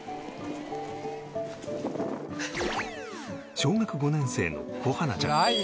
小学５年生の小花ちゃん